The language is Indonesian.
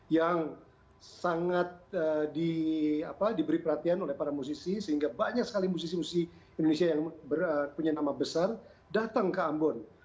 yang sangat diberi perhatian oleh para musisi sehingga banyak sekali musisi musisi indonesia yang punya nama besar datang ke ambon